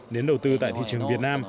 đến đầu tư tại thị trường việt nam